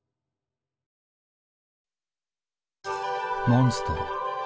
モンストロ。